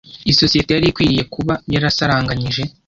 isosiyete yari ikwiriye kuba yarasaranganyije